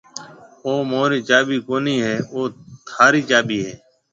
او مهاري چاٻِي ڪونَي هيَ، او ٿارِي چاٻِي هيَ۔